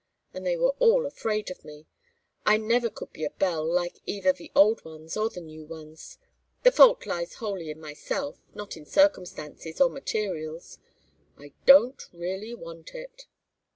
And they were all afraid of me. I never could be a belle like either the old ones or the new ones; the fault lies wholly in myself, not in circumstances or materials. _I don't really want it.